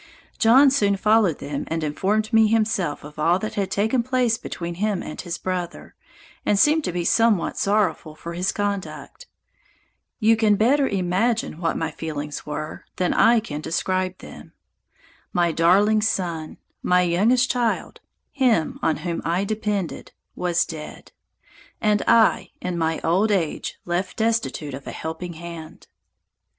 John soon followed them and informed me himself of all that had taken place between him and his brother, and seemed to be somewhat sorrowful for his conduct. You can better imagine what my feelings were than I can describe them. My darling son, my youngest child, him on whom I depended, was dead; and I in my old age left destitute of a helping hand!